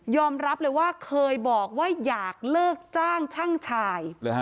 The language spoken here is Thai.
รับเลยว่าเคยบอกว่าอยากเลิกจ้างช่างชาย